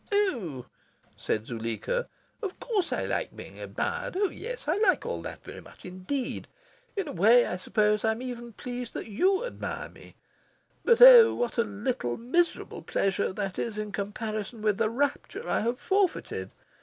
"Oh," said Zuleika, "of course I like being admired. Oh yes, I like all that very much indeed. In a way, I suppose, I'm even pleased that YOU admire me. But oh, what a little miserable pleasure that is in comparison with the rapture I have forfeited!